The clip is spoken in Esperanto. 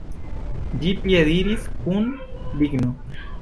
Ĝi piediris kun digno.